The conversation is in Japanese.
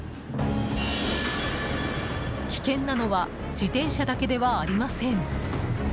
危険なのは自転車だけではありません。